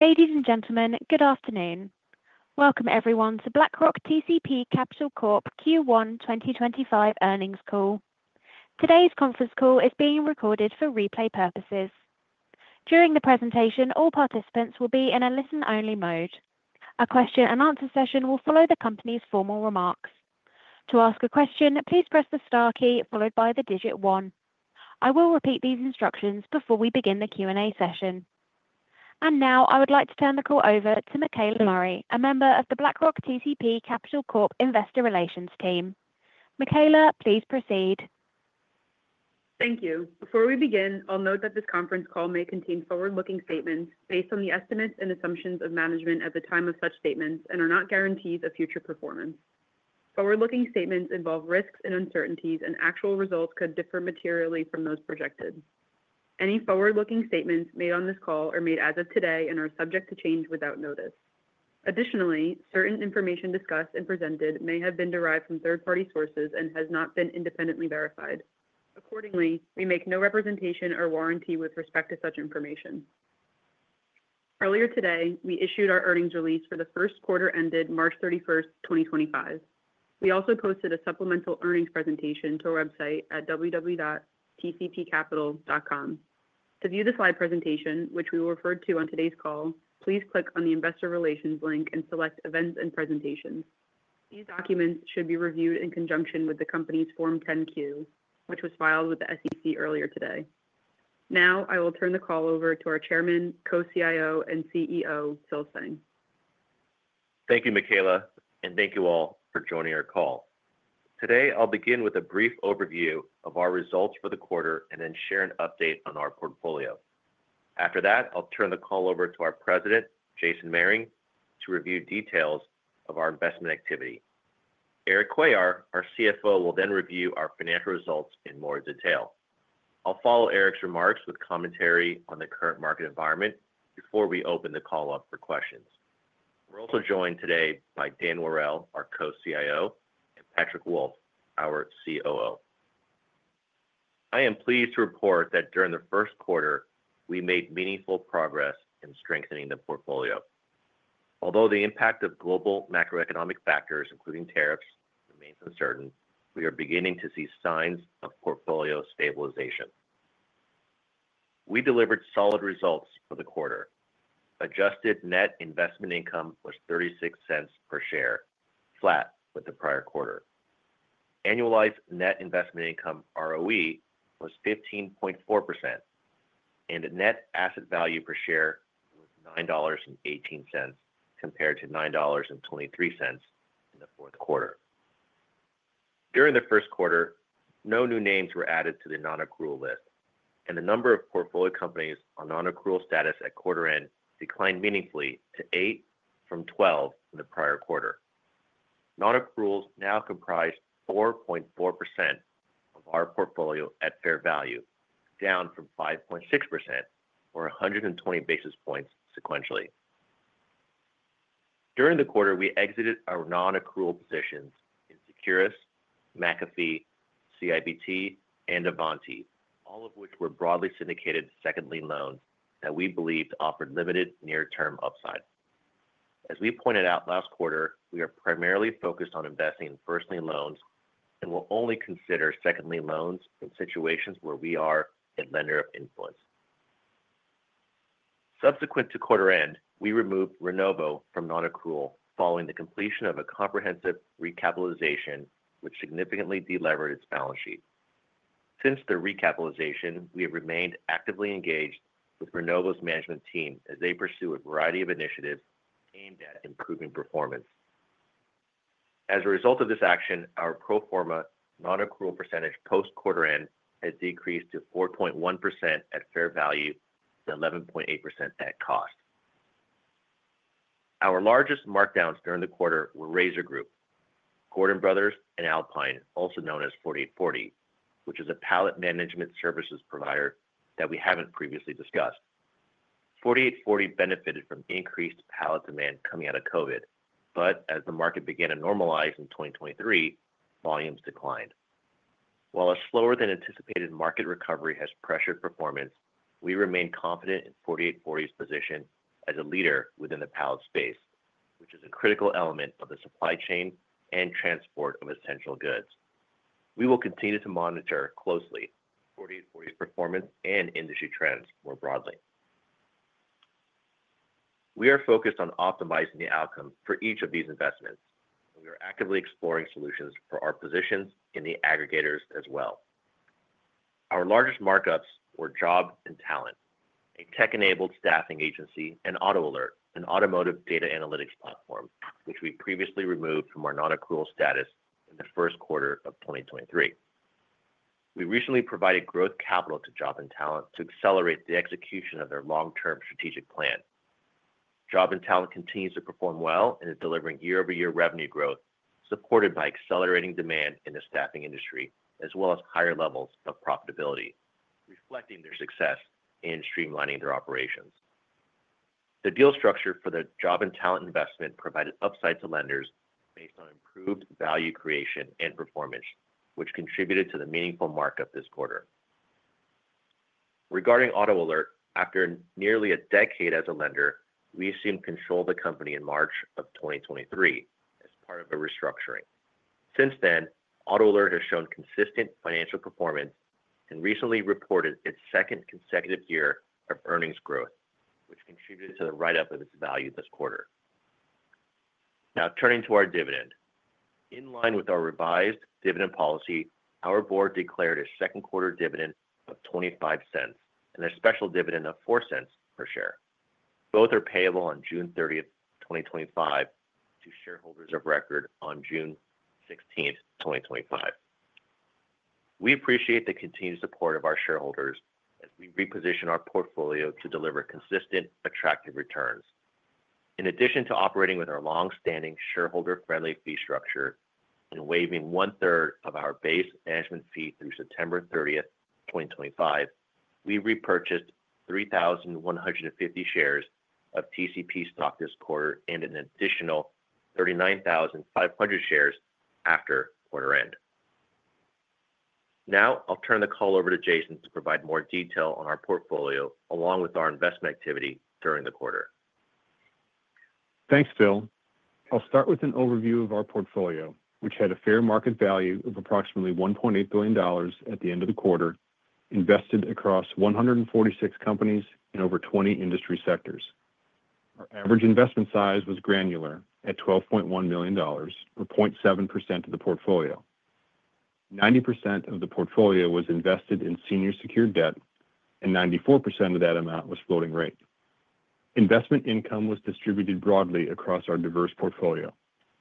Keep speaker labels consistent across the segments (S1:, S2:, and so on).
S1: Ladies and gentlemen, Good Afternoon. welcome, everyone, to BlackRock TCP Capital Corp Q1 2025 earnings call. Today's conference call is being recorded for replay purposes. During the presentation, all participants will be in a listen-only mode. A question-and-answer session will follow the company's formal remarks. To ask a question, please press the star key followed by the digit one. I will repeat these instructions before we begin the Q&A session. I would like to turn the call over to Michaela Murray, a member of the BlackRock TCP Capital Corp Investor Relations Team. Michaela, please proceed.
S2: Thank you. Before we begin, I'll note that this conference call may contain forward-looking statements based on the estimates and assumptions of management at the time of such statements and are not guarantees of future performance. Forward-looking statements involve risks and uncertainties, and actual results could differ materially from those projected. Any forward-looking statements made on this call are made as of today and are subject to change without notice. Additionally, certain information discussed and presented may have been derived from third-party sources and has not been independently verified. Accordingly, we make no representation or warranty with respect to such information. Earlier today, we issued our earnings release for the first quarter ended March 31st, 2025. We also posted a supplemental earnings presentation to our website at www.tcpcapital.com. To view the slide presentation, which we will refer to on today's call, please click on the Investor Relations link and select Events and Presentations. These documents should be reviewed in conjunction with the company's Form 10-Q, which was filed with the SEC earlier today. Now, I will turn the call over to our Chairman, co-CIO, and CEO, Philip Tseng.
S3: Thank you, Michaela, and thank you all for joining our call. Today, I'll begin with a brief overview of our results for the quarter and then share an update on our portfolio. After that, I'll turn the call over to our President, Jason Mehring, to review details of our investment activity. Eric Cuellar, our CFO, will then review our financial results in more detail. I'll follow Eric's remarks with commentary on the current market environment before we open the call up for questions. We're also joined today by Dan Worrell, our Co-CIO, and Patrick Wolf, our COO. I am pleased to report that during the first quarter, we made meaningful progress in strengthening the portfolio. Although the impact of global macroeconomic factors, including tariffs, remains uncertain, we are beginning to see signs of portfolio stabilization. We delivered solid results for the quarter. Adjusted net investment income was $0.36 per share, flat with the prior quarter. Annualized net investment income ROE was 15.4%, and net asset value per share was $9.18 compared to $9.23 in the fourth quarter. During the first quarter, no new names were added to the non-accrual list, and the number of portfolio companies on non-accrual status at quarter-end declined meaningfully to eight from twelve in the prior quarter. Non-accruals now comprise 4.4% of our portfolio at fair value, down from 5.6% or 120 basis points sequentially. During the quarter, we exited our non-accrual positions in Securus, McAfee, CIBT, and Avante, all of which were broadly syndicated second-line loans that we believed offered limited near-term upside. As we pointed out last quarter, we are primarily focused on investing in first-line loans and will only consider second-line loans in situations where we are a lender of influence. Subsequent to quarter-end, we removed Renovo from non-accrual following the completion of a comprehensive recapitalization, which significantly delevered its balance sheet. Since the recapitalization, we have remained actively engaged with Renovo's management team as they pursue a variety of initiatives aimed at improving performance. As a result of this action, our pro forma non-accrual percentage post-quarter-end has decreased to 4.1% at fair value to 11.8% at cost. Our largest markdowns during the quarter were Razor Group, Gordon Brothers, and Alpine, also known as 4840, which is a pallet management services provider that we have not previously discussed. 4840 benefited from increased pallet demand coming out of COVID, but as the market began to normalize in 2023, volumes declined. While a slower-than-anticipated market recovery has pressured performance, we remain confident in 4840's position as a leader within the pallet space, which is a critical element of the supply chain and transport of essential goods. We will continue to monitor closely 4840's performance and industry trends more broadly. We are focused on optimizing the outcome for each of these investments, and we are actively exploring solutions for our positions in the aggregators as well. Our largest markups were Job&Talent, a tech-enabled staffing agency, and AutoAlert, an automotive data analytics platform, which we previously removed from our non-accrual status in the first quarter of 2023. We recently provided growth capital to Job&Talent to accelerate the execution of their long-term strategic plan. Job&Talent continues to perform well and is delivering year-over-year revenue growth supported by accelerating demand in the staffing industry, as well as higher levels of profitability, reflecting their success in streamlining their operations. The deal structure for the Job&Talent investment provided upside to lenders based on improved value creation and performance, which contributed to the meaningful markup this quarter. Regarding AutoAlert, after nearly a decade as a lender, we assumed control of the company in March of 2023 as part of a restructuring. Since then, AutoAlert has shown consistent financial performance and recently reported its second consecutive year of earnings growth, which contributed to the write-up of its value this quarter. Now, turning to our dividend. In line with our revised dividend policy, our board declared a second-quarter dividend of $0.25 and a special dividend of $0.04 per share. Both are payable on June 30th, 2025, to shareholders of record on June 16th, 2025. We appreciate the continued support of our shareholders as we reposition our portfolio to deliver consistent, attractive returns. In addition to operating with our long-standing shareholder-friendly fee structure and waiving one-third of our base management fee through September 30th, 2025, we repurchased 3,150 shares of TCP stock this quarter and an additional 39,500 shares after quarter-end. Now, I'll turn the call over to Jason to provide more detail on our portfolio along with our investment activity during the quarter.
S4: Thanks, Phil. I'll start with an overview of our portfolio, which had a fair market value of approximately $1.8 billion at the end of the quarter, invested across 146 companies in over 20 industry sectors. Our average investment size was granular at $12.1 million, or 0.7% of the portfolio. 90% of the portfolio was invested in senior secured debt, and 94% of that amount was floating rate. Investment income was distributed broadly across our diverse portfolio,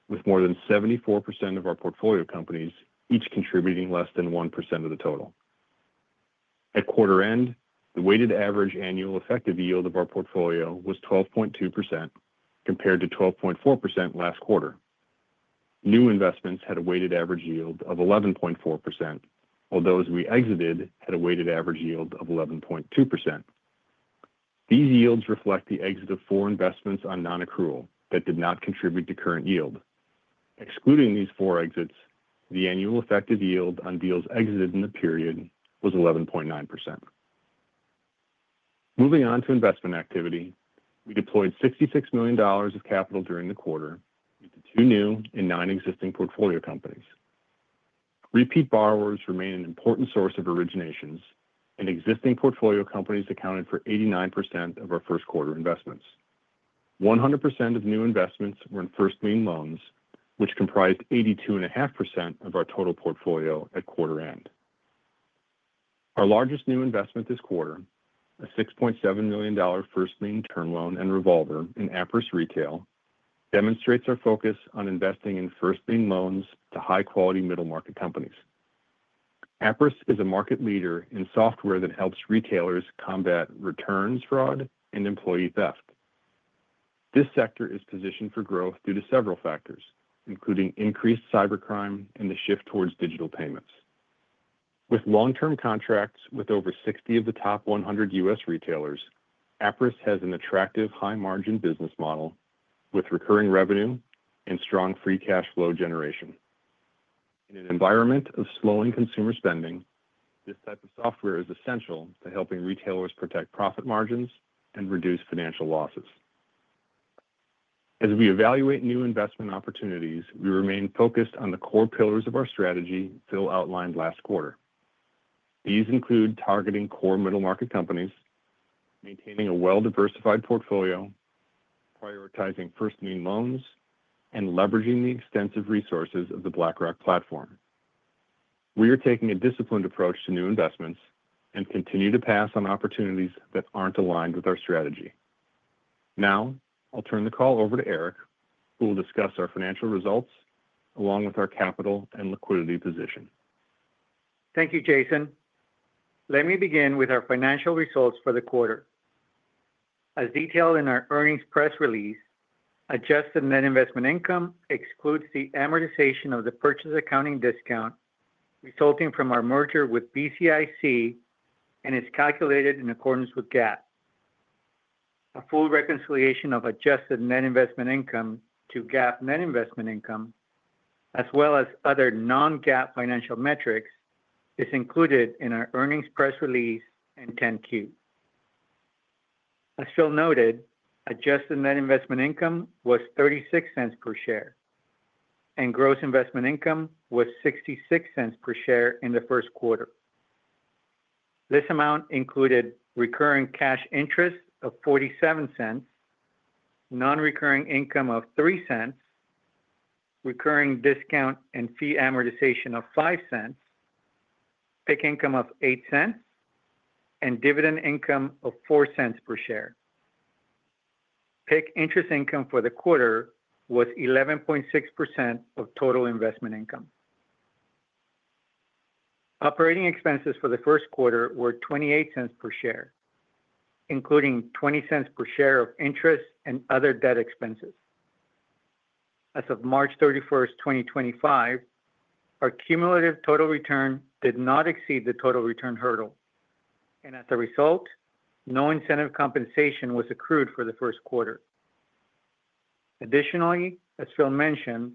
S4: with more than 74% of our portfolio companies each contributing less than 1% of the total. At quarter-end, the weighted average annual effective yield of our portfolio was 12.2% compared to 12.4% last quarter. New investments had a weighted average yield of 11.4%, while those we exited had a weighted average yield of 11.2%. These yields reflect the exit of four investments on non-accrual that did not contribute to current yield. Excluding these four exits, the annual effective yield on deals exited in the period was 11.9%. Moving on to investment activity, we deployed $66 million of capital during the quarter into two new and nine existing portfolio companies. Repeat borrowers remain an important source of originations, and existing portfolio companies accounted for 89% of our first-quarter investments. 100% of new investments were in first-line loans, which comprised 82.5% of our total portfolio at quarter-end. Our largest new investment this quarter, a $6.7 million first-line term loan and revolver in Appriss Retail, demonstrates our focus on investing in first-line loans to high-quality middle-market companies. Appriss is a market leader in software that helps retailers combat returns fraud and employee theft. This sector is positioned for growth due to several factors, including increased cybercrime and the shift towards digital payments. With long-term contracts with over 60 of the top 100 U.S. retailers, Appriss has an attractive high-margin business model with recurring revenue and strong free cash flow generation. In an environment of slowing consumer spending, this type of software is essential to helping retailers protect profit margins and reduce financial losses. As we evaluate new investment opportunities, we remain focused on the core pillars of our strategy Phil outlined last quarter. These include targeting core middle-market companies, maintaining a well-diversified portfolio, prioritizing first-line loans, and leveraging the extensive resources of the BlackRock platform. We are taking a disciplined approach to new investments and continue to pass on opportunities that aren't aligned with our strategy. Now, I'll turn the call over to Eric, who will discuss our financial results along with our capital and liquidity position.
S5: Thank you, Jason. Let me begin with our financial results for the quarter. As detailed in our earnings press release, adjusted net investment income excludes the amortization of the purchase accounting discount resulting from our merger with BCIC and is calculated in accordance with GAAP. A full reconciliation of adjusted net investment income to GAAP net investment income, as well as other non-GAAP financial metrics, is included in our earnings press release and 10Q. As Phil noted, adjusted net investment income was $0.36 per share, and gross investment income was $0.66 per share in the first quarter. This amount included recurring cash interest of $0.47, non-recurring income of $0.03, recurring discount and fee amortization of $0.05, PIK income of $0.08, and dividend income of $0.04 per share. PIK interest income for the quarter was 11.6% of total investment income. Operating expenses for the first quarter were $0.28 per share, including $0.20 per share of interest and other debt expenses. As of March 31st, 2025, our cumulative total return did not exceed the total return hurdle, and as a result, no incentive compensation was accrued for the first quarter. Additionally, as Phil mentioned,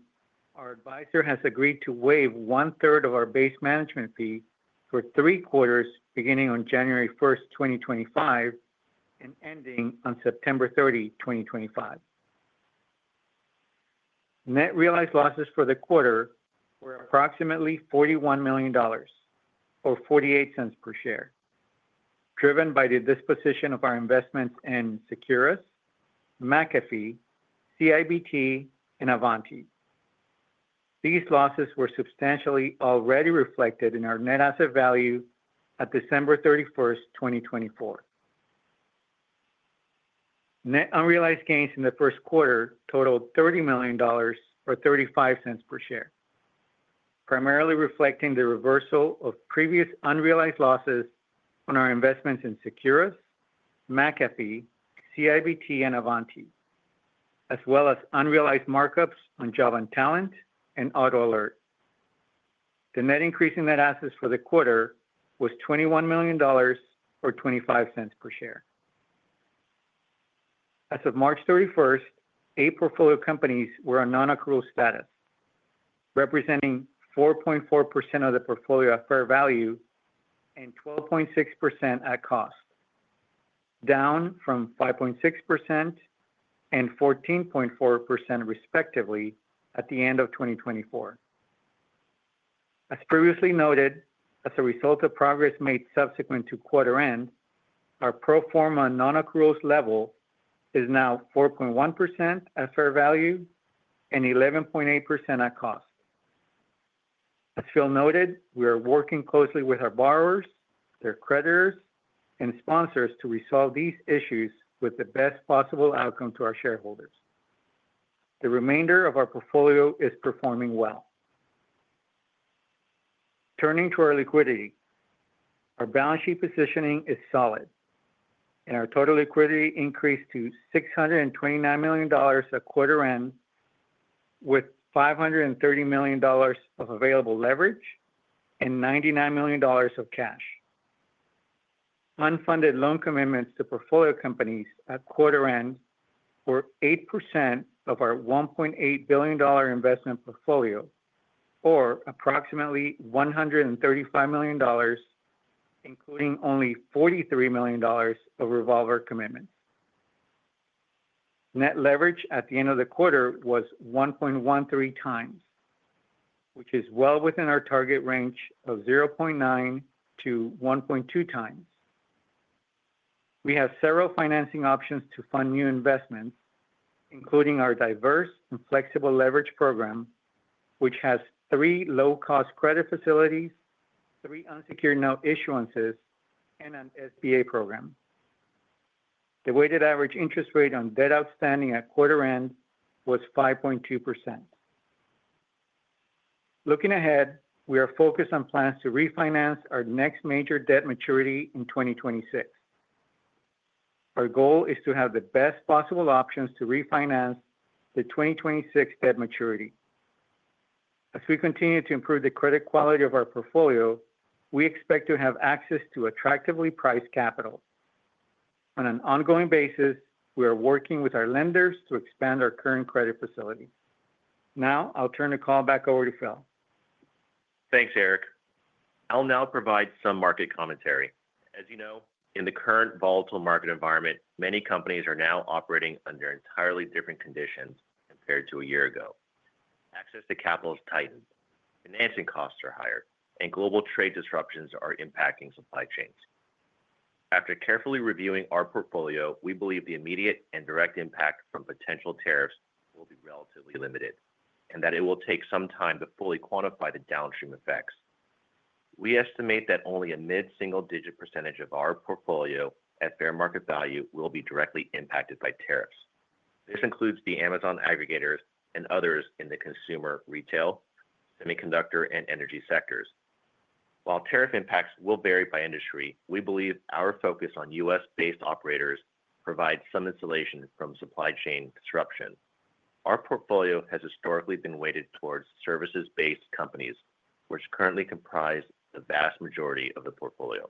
S5: our advisor has agreed to waive one-third of our base management fee for three quarters beginning on January 1st, 2025, and ending on September 30, 2025. Net realized losses for the quarter were approximately $41 million, or $0.48 per share, driven by the disposition of our investments in Securus, McAfee, CIBT, and Avante. These losses were substantially already reflected in our net asset value at December 31st, 2024. Net unrealized gains in the first quarter totaled $30 million, or $0.35 per share, primarily reflecting the reversal of previous unrealized losses on our investments in Securus, McAfee, CIBT, and Avante, as well as unrealized markups on Job&Talent and AutoAlert. The net increase in net assets for the quarter was $21 million, or $0.25 per share. As of March 31st, eight portfolio companies were on non-accrual status, representing 4.4% of the portfolio at fair value and 12.6% at cost, down from 5.6% and 14.4%, respectively, at the end of 2024. As previously noted, as a result of progress made subsequent to quarter-end, our pro forma non-accruals level is now 4.1% at fair value and 11.8% at cost. As Phil noted, we are working closely with our borrowers, their creditors, and sponsors to resolve these issues with the best possible outcome to our shareholders. The remainder of our portfolio is performing well. Turning to our liquidity, our balance sheet positioning is solid, and our total liquidity increased to $629 million at quarter-end, with $530 million of available leverage and $99 million of cash. Unfunded loan commitments to portfolio companies at quarter-end were 8% of our $1.8 billion investment portfolio, or approximately $135 million, including only $43 million of revolver commitments. Net leverage at the end of the quarter was 1.13 times, which is well within our target range of 0.9-1.2 times. We have several financing options to fund new investments, including our diverse and flexible leverage program, which has three low-cost credit facilities, three unsecured note issuances, and an SBA program. The weighted average interest rate on debt outstanding at quarter-end was 5.2%. Looking ahead, we are focused on plans to refinance our next major debt maturity in 2026. Our goal is to have the best possible options to refinance the 2026 debt maturity. As we continue to improve the credit quality of our portfolio, we expect to have access to attractively priced capital. On an ongoing basis, we are working with our lenders to expand our current credit facility. Now, I'll turn the call back over to Phil.
S3: Thanks, Eric. I'll now provide some market commentary. As you know, in the current volatile market environment, many companies are now operating under entirely different conditions compared to a year ago. Access to capital is tightened, financing costs are higher, and global trade disruptions are impacting supply chains. After carefully reviewing our portfolio, we believe the immediate and direct impact from potential tariffs will be relatively limited and that it will take some time to fully quantify the downstream effects. We estimate that only a mid-single-digit percentage of our portfolio at fair market value will be directly impacted by tariffs. This includes the Amazon aggregators and others in the consumer retail, semiconductor, and energy sectors. While tariff impacts will vary by industry, we believe our focus on U.S.-based operators provides some insulation from supply chain disruption. Our portfolio has historically been weighted towards services-based companies, which currently comprise the vast majority of the portfolio.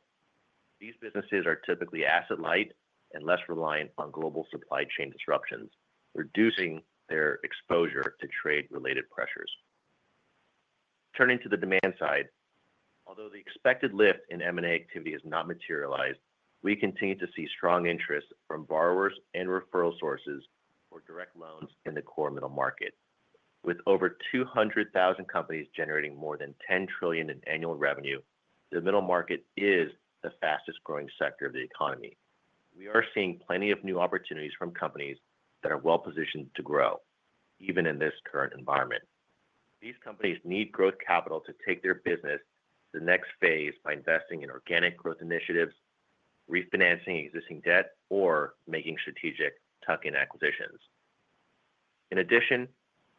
S3: These businesses are typically asset-light and less reliant on global supply chain disruptions, reducing their exposure to trade-related pressures. Turning to the demand side, although the expected lift in M&A activity has not materialized, we continue to see strong interest from borrowers and referral sources for direct loans in the core middle market. With over 200,000 companies generating more than $10 trillion in annual revenue, the middle market is the fastest-growing sector of the economy. We are seeing plenty of new opportunities from companies that are well-positioned to grow, even in this current environment. These companies need growth capital to take their business to the next phase by investing in organic growth initiatives, refinancing existing debt, or making strategic tuck-in acquisitions. In addition,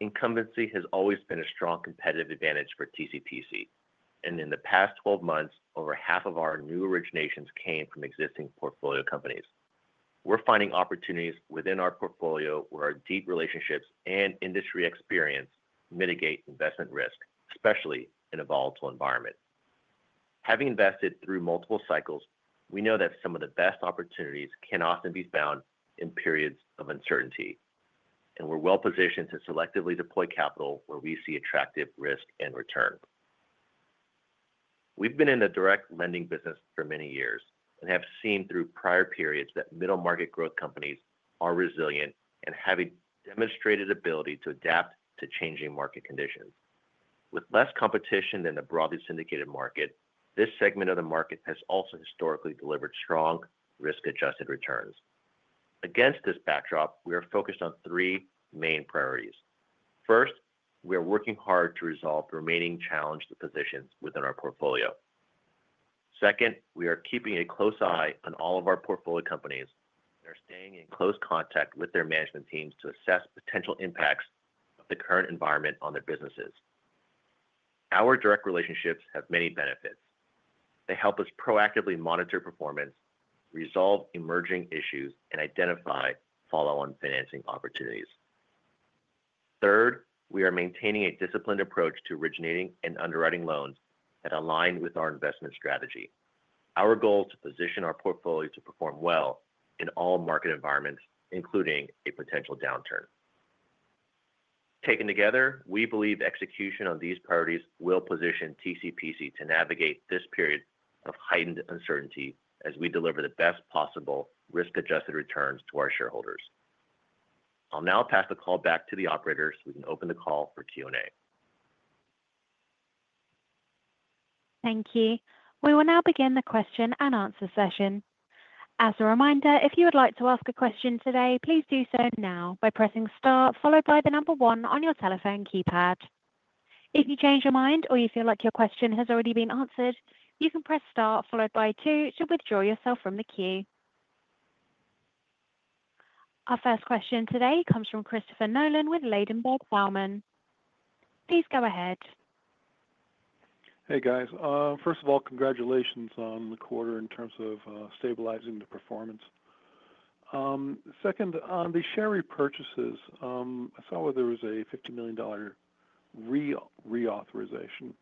S3: incumbency has always been a strong competitive advantage for TCPC, and in the past 12 months, over half of our new originations came from existing portfolio companies. We're finding opportunities within our portfolio where our deep relationships and industry experience mitigate investment risk, especially in a volatile environment. Having invested through multiple cycles, we know that some of the best opportunities can often be found in periods of uncertainty, and we're well-positioned to selectively deploy capital where we see attractive risk and return. We've been in the direct lending business for many years and have seen through prior periods that middle-market growth companies are resilient and have a demonstrated ability to adapt to changing market conditions. With less competition than the broadly syndicated market, this segment of the market has also historically delivered strong, risk-adjusted returns. Against this backdrop, we are focused on three main priorities. First, we are working hard to resolve the remaining challenged positions within our portfolio. Second, we are keeping a close eye on all of our portfolio companies and are staying in close contact with their management teams to assess potential impacts of the current environment on their businesses. Our direct relationships have many benefits. They help us proactively monitor performance, resolve emerging issues, and identify follow-on financing opportunities. Third, we are maintaining a disciplined approach to originating and underwriting loans that align with our investment strategy. Our goal is to position our portfolio to perform well in all market environments, including a potential downturn. Taken together, we believe execution on these priorities will position TCPC to navigate this period of heightened uncertainty as we deliver the best possible risk-adjusted returns to our shareholders. I'll now pass the call back to the operators so we can open the call for Q&A.
S1: Thank you. We will now begin the question and answer session. As a reminder, if you would like to ask a question today, please do so now by pressing star, followed by the number one on your telephone keypad. If you change your mind or you feel like your question has already been answered, you can press star, followed by two, to withdraw yourself from the queue. Our first question today comes from Christopher Nolan with Ladenburg Thalmann. Please go ahead.
S6: Hey, guys. First of all, congratulations on the quarter in terms of stabilizing the performance. Second, on the share repurchases, I saw there was a $50 million reauthorization.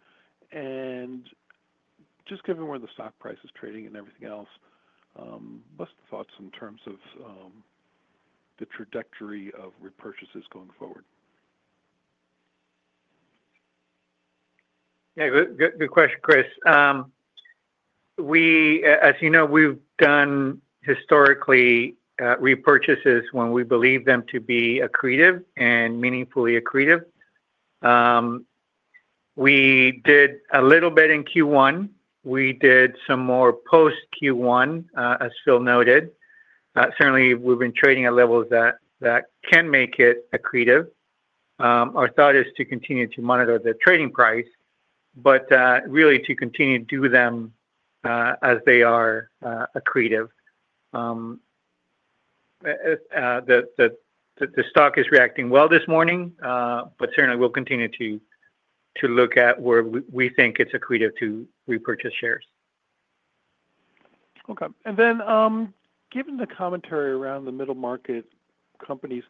S6: Just given where the stock price is trading and everything else, what is the thoughts in terms of the trajectory of repurchases going forward?
S4: Yeah, good question, Chris. As you know, we've done historically repurchases when we believe them to be accretive and meaningfully accretive. We did a little bit in Q1. We did some more post-Q1, as Phil noted. Certainly, we've been trading at levels that can make it accretive. Our thought is to continue to monitor the trading price, but really to continue to do them as they are accretive. The stock is reacting well this morning, but certainly, we'll continue to look at where we think it's accretive to repurchase shares.
S6: Okay. And then given the commentary around the middle market companies,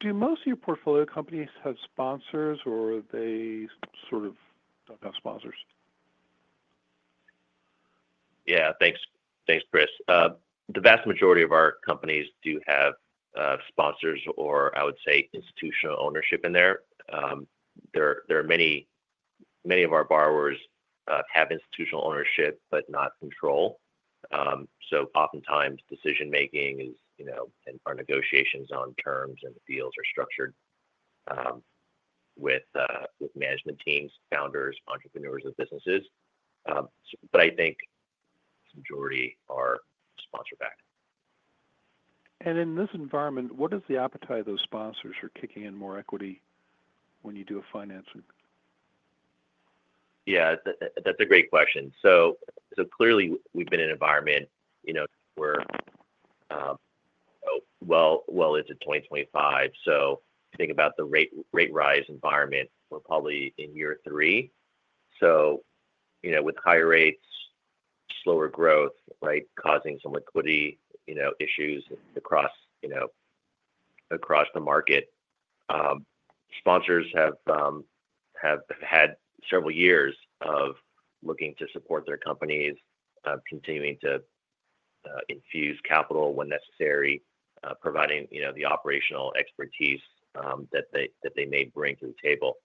S6: do most of your portfolio companies have sponsors, or they sort of do not have sponsors?
S3: Yeah, thanks, Chris. The vast majority of our companies do have sponsors, or I would say institutional ownership in there. There are many of our borrowers who have institutional ownership but not control. Oftentimes, decision-making and our negotiations on terms and deals are structured with management teams, founders, entrepreneurs, and businesses. I think the majority are sponsor-backed.
S6: In this environment, what is the appetite of those sponsors for kicking in more equity when you do a financing?
S3: Yeah, that's a great question. Clearly, we've been in an environment where well into 2025. Think about the rate rise environment. We're probably in year three. With higher rates, slower growth, right, causing some liquidity issues across the market. Sponsors have had several years of looking to support their companies, continuing to infuse capital when necessary, providing the operational expertise that they may bring to the table.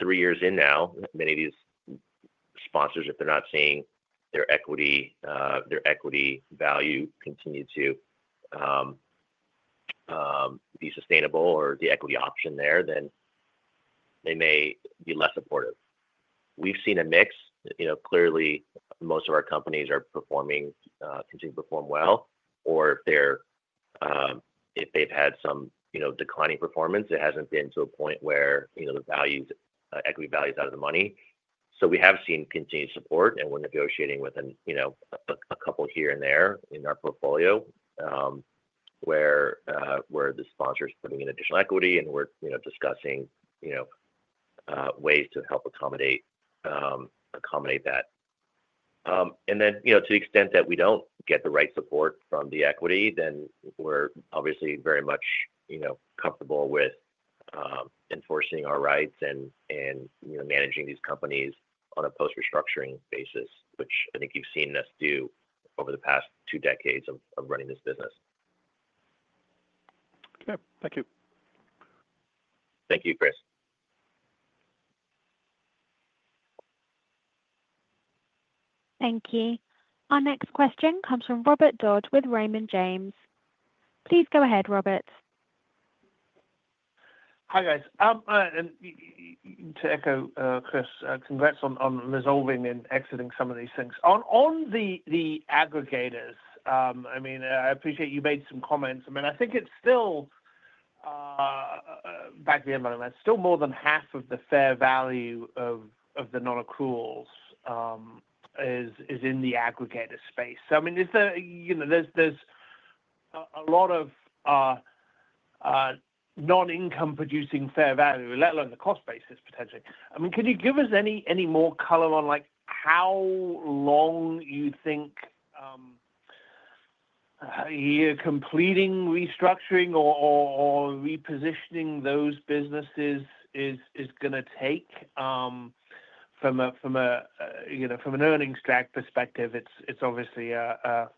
S3: Three years in now, many of these sponsors, if they're not seeing their equity value continue to be sustainable or the equity option there, then they may be less supportive. We've seen a mix. Clearly, most of our companies are continuing to perform well, or if they've had some declining performance, it hasn't been to a point where the equity value is out of the money. We have seen continued support, and we're negotiating with a couple here and there in our portfolio where the sponsor is putting in additional equity, and we're discussing ways to help accommodate that. To the extent that we don't get the right support from the equity, we're obviously very much comfortable with enforcing our rights and managing these companies on a post-restructuring basis, which I think you've seen us do over the past two decades of running this business.
S6: Okay. Thank you.
S3: Thank you, Chris.
S1: Thank you. Our next question comes from Robert Dodd with Raymond James. Please go ahead, Robert.
S7: Hi, guys. And to echo, Chris, congrats on resolving and exiting some of these things. On the aggregators, I mean, I appreciate you made some comments. I think it's still back to the environment. It's still more than half of the fair value of the non-accruals is in the aggregator space. I mean, there's a lot of non-income-producing fair value, let alone the cost basis, potentially. Can you give us any more color on how long you think completing restructuring or repositioning those businesses is going to take? From an earnings drag perspective, it's obviously a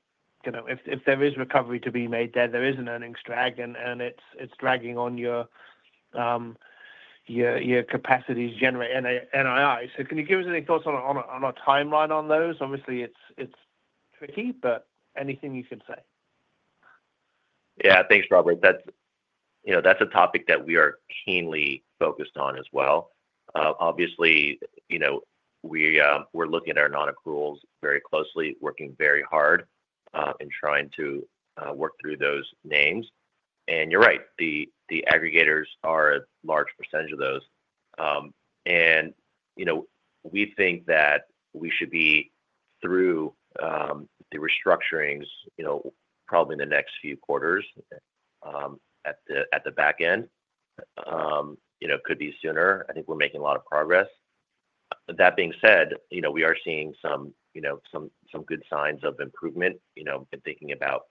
S7: if there is recovery to be made there, there is an earnings drag, and it's dragging on your capacities generating NII. Can you give us any thoughts on a timeline on those? Obviously, it's tricky, but anything you can say.
S3: Yeah, thanks, Robert. That's a topic that we are keenly focused on as well. Obviously, we're looking at our non-accruals very closely, working very hard in trying to work through those names. You're right, the aggregators are a large percentage of those. We think that we should be through the restructurings probably in the next few quarters at the back end. It could be sooner. I think we're making a lot of progress. That being said, we are seeing some good signs of improvement in thinking about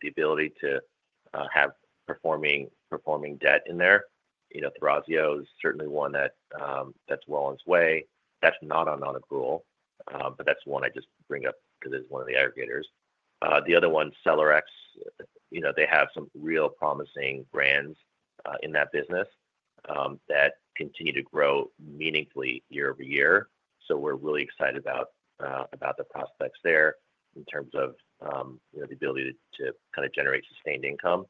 S3: the ability to have performing debt in there. Razor is certainly one that's well on its way. That's not a non-accrual, but that's one I just bring up because it's one of the aggregators. The other one, SellerX, they have some real promising brands in that business that continue to grow meaningfully year-over-year. We're really excited about the prospects there in terms of the ability to kind of generate sustained income.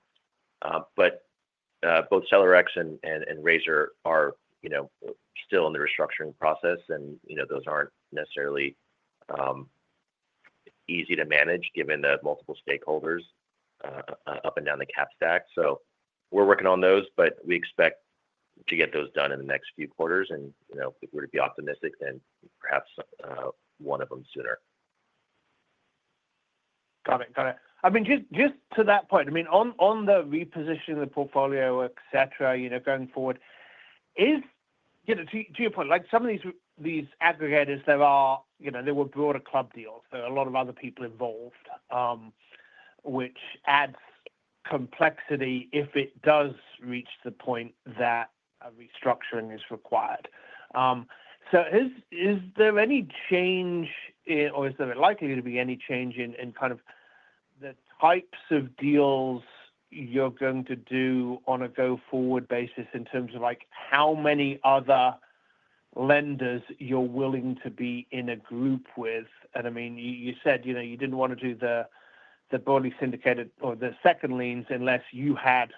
S3: Both Cellarex and Razor are still in the restructuring process, and those aren't necessarily easy to manage given the multiple stakeholders up and down the cap stack. We're working on those, but we expect to get those done in the next few quarters. If we're to be optimistic, then perhaps one of them sooner.
S7: Got it. Got it. I mean, just to that point, I mean, on the repositioning of the portfolio, etc., going forward, to your point, some of these aggregators, there were broader club deals. There were a lot of other people involved, which adds complexity if it does reach the point that a restructuring is required. Is there any change, or is there likely to be any change in kind of the types of deals you're going to do on a go-forward basis in terms of how many other lenders you're willing to be in a group with? I mean, you said you didn't want to do the broadly syndicated or the second liens unless you had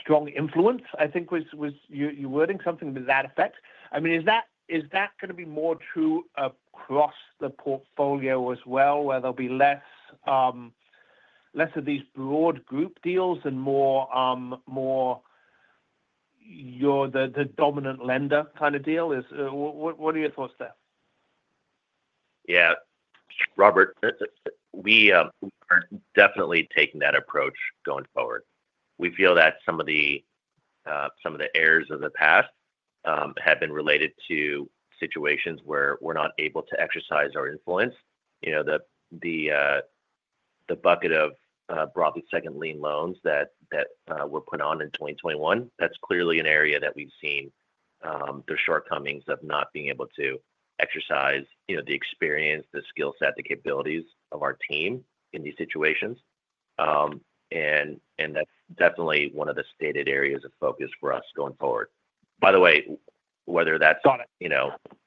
S7: strong influence, I think was your wording, something to that effect.I mean, is that going to be more true across the portfolio as well, where there will be less of these broad group deals and more the dominant lender kind of deal? What are your thoughts there?
S3: Yeah. Robert, we are definitely taking that approach going forward. We feel that some of the errors of the past have been related to situations where we're not able to exercise our influence. The bucket of broadly second-line loans that were put on in 2021, that's clearly an area that we've seen the shortcomings of not being able to exercise the experience, the skill set, the capabilities of our team in these situations. That's definitely one of the stated areas of focus for us going forward. By the way, whether that's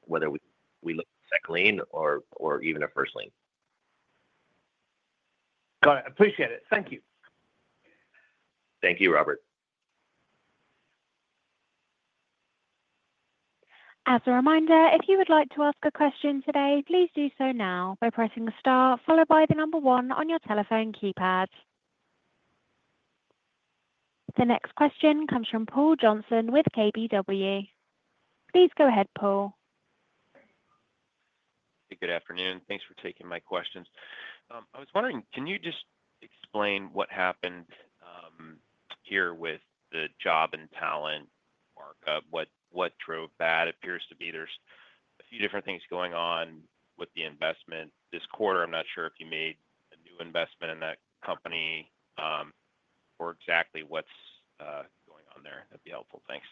S3: whether we look at second-line or even a first-line.
S7: Got it. Appreciate it. Thank you.
S3: Thank you, Robert.
S1: As a reminder, if you would like to ask a question today, please do so now by pressing star, followed by the number one on your telephone keypad. The next question comes from Paul Johnson with KBW. Please go ahead, Paul.
S8: Hey, good afternoon. Thanks for taking my questions. I was wondering, can you just explain what happened here with the Job&Talent markup? What drove that? It appears to be there's a few different things going on with the investment. This quarter, I'm not sure if you made a new investment in that company or exactly what's going on there. That'd be helpful. Thanks.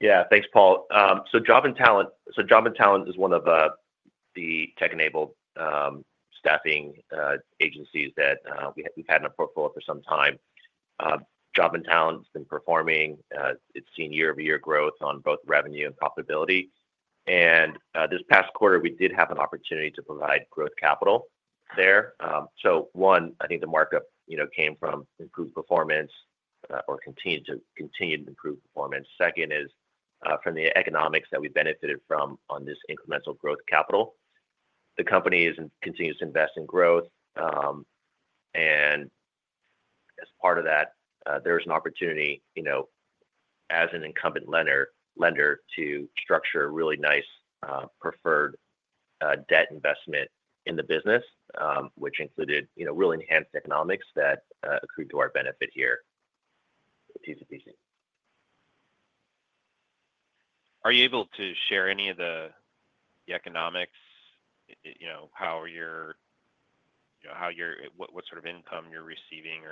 S3: Yeah, thanks, Paul. Job and Talent is one of the tech-enabled staffing agencies that we've had in our portfolio for some time. Job and Talent has been performing. It's seen year-over-year growth on both revenue and profitability. This past quarter, we did have an opportunity to provide growth capital there. One, I think the markup came from improved performance or continued to improve performance. Second is from the economics that we benefited from on this incremental growth capital. The company has continued to invest in growth. As part of that, there's an opportunity as an incumbent lender to structure a really nice preferred debt investment in the business, which included really enhanced economics that accrued to our benefit here.
S8: Are you able to share any of the economics, how you're, what sort of income you're receiving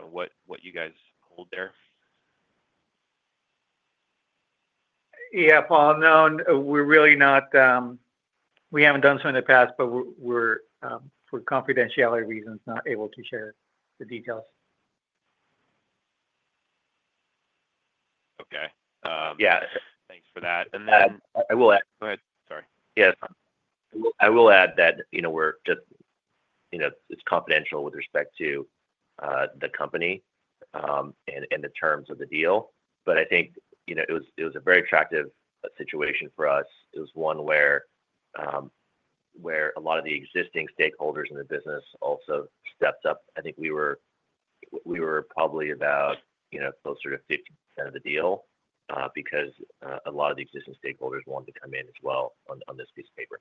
S8: or what you guys hold there?
S7: Yeah, Paul. No, we're really not, we haven't done so in the past, but we're, for confidentiality reasons, not able to share the details.
S8: Okay. Yeah. Thanks for that. Then.
S3: I will add.
S8: Go ahead. Sorry.
S3: Yeah. I will add that we're just it's confidential with respect to the company and the terms of the deal. I think it was a very attractive situation for us. It was one where a lot of the existing stakeholders in the business also stepped up. I think we were probably about closer to 50% of the deal because a lot of the existing stakeholders wanted to come in as well on this piece of paper.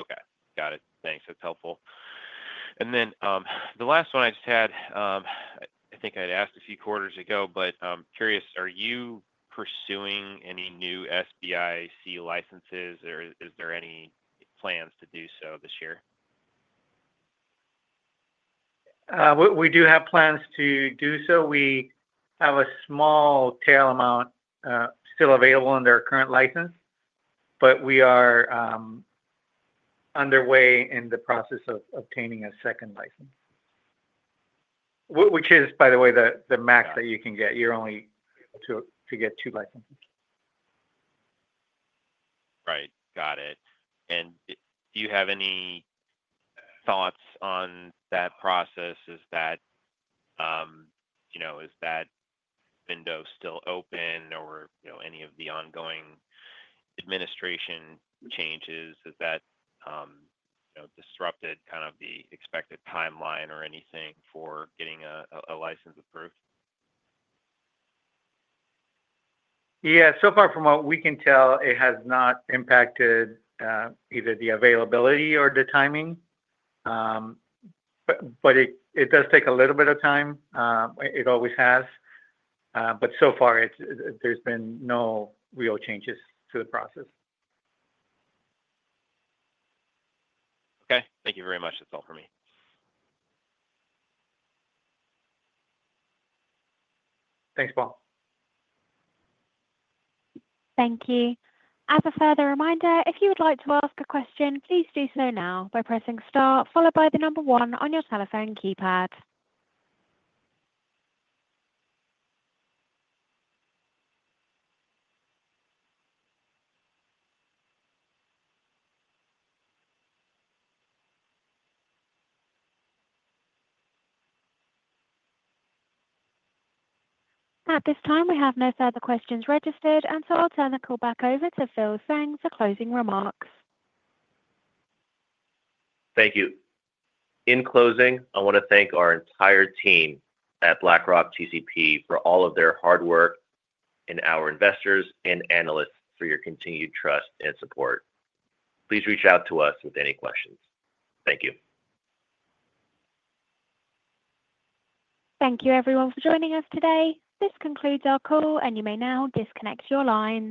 S8: Okay. Got it. Thanks. That's helpful. The last one I just had, I think I had asked a few quarters ago, but I'm curious, are you pursuing any new SBIC licenses, or is there any plans to do so this year?
S7: We do have plans to do so. We have a small tail amount still available under our current license, but we are underway in the process of obtaining a second license, which is, by the way, the max that you can get. You're only able to get two licenses.
S8: Right. Got it. Do you have any thoughts on that process? Is that window still open, or any of the ongoing administration changes? Has that disrupted kind of the expected timeline or anything for getting a license approved?
S7: Yeah. So far, from what we can tell, it has not impacted either the availability or the timing. It does take a little bit of time. It always has. So far, there's been no real changes to the process.
S8: Okay. Thank you very much. That's all for me.
S7: Thanks, Paul.
S1: Thank you. As a further reminder, if you would like to ask a question, please do so now by pressing star, followed by the number one on your telephone keypad. At this time, we have no further questions registered, and so I'll turn the call back over to Phil Tseng for closing remarks.
S3: Thank you. In closing, I want to thank our entire team at BlackRock TCP Capital for all of their hard work and our investors and analysts for your continued trust and support. Please reach out to us with any questions. Thank you.
S1: Thank you, everyone, for joining us today. This concludes our call, and you may now disconnect your line.